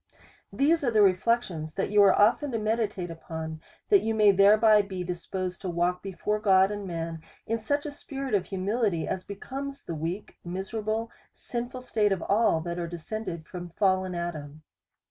These are the reflections that you are often to me ditate upon, that you may thereby be disposed to walk before God and man in such a spirit of humility, as becomes the weak, miserable, sinful state of all that are descended from fallen Adam.